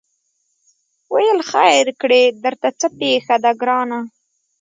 ویل خیر کړې درته څه پېښه ده ګرانه